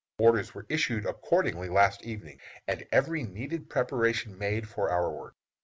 Orders were issued accordingly last evening, and every needed preparation made for our work.